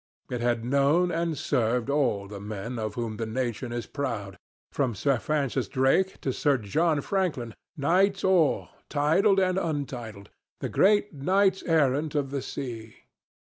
It had known and served all the men of whom the nation is proud, from Sir Francis Drake to Sir John Franklin, knights all, titled and untitled the great knights errant of the sea.